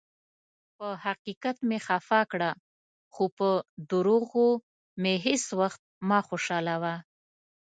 پۀ حقیقت مې خفه کړه، خو پۀ دروغو مې هیڅ ؤخت مه خوشالؤه.